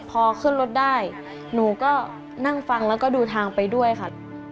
พอขึ้นรถได้หนูก็นั่งฟังแล้วก็ดูทางไปด้วยค่ะ